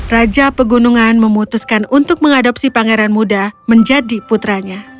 raja pegunungan memutuskan untuk mengadopsi pangeran muda menjadi putranya